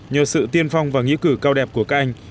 nhờ sự tiên phong và nghĩa cử cao đẹp của các anh